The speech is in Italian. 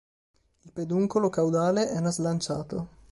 Il peduncolo caudale era slanciato.